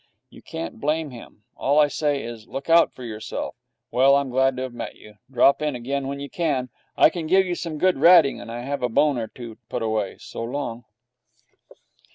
You can't blame him. All I say is, look out for yourself. Well, I'm glad to have met you. Drop in again when you can. I can give you some good ratting, and I have a bone or two put away. So long.'